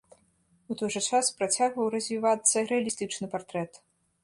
У той жа час працягваў развівацца рэалістычны партрэт.